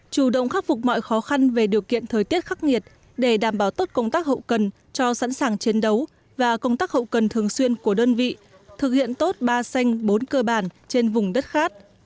chủ động khắc phục mọi khó khăn về điều kiện thời tiết khắc nghiệt để đảm bảo tốt công tác hậu cần cho sẵn sàng chiến đấu và công tác hậu cần thường xuyên của đơn vị thực hiện tốt ba xanh bốn cơ bản trên vùng đất khát